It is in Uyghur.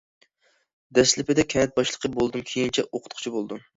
دەسلىپىدە كەنت باشلىقى بولدۇم، كېيىنچە ئوقۇتقۇچى بولدۇم.